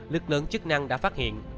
lực lượng chức năng đã phát hiện